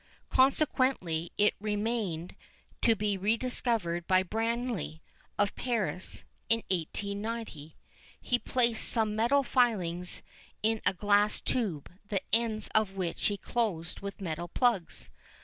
Consequently it remained to be rediscovered by Branly, of Paris, in 1890. He placed some metal filings in a glass tube, the ends of which he closed with metal plugs.